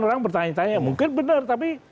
orang bertanya tanya mungkin benar tapi